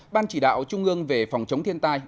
ban chỉ đạo trung ương về phòng chống thiên tai